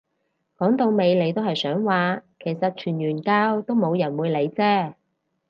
講到尾你都係想話其實傳完教都冇人會理啫